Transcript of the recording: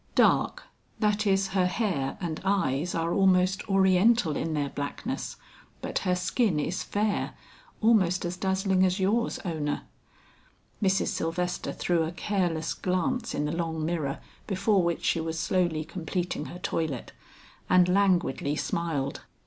"Dark; that is her hair and eyes are almost oriental in their blackness, but her skin is fair, almost as dazzling as yours, Ona." Mrs. Sylvester threw a careless glance in the long mirror before which she was slowly completing her toilet, and languidly smiled.